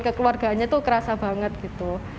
kekeluargaannya tuh kerasa banget gitu